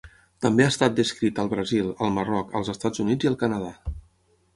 També ha estat descrita al Brasil, al Marroc, als Estats Units i al Canadà.